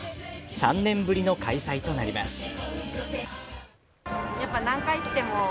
３年ぶりの開催となります。